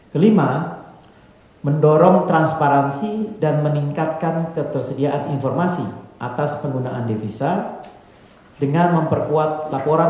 kelima mendorong transparansi dan meningkatkan ketersediaan informasi atas penggunaan devisa dengan memperkuat laporan